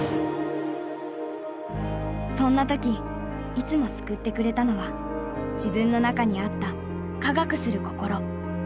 そんな時いつも救ってくれたのは自分の中にあった科学するココロ。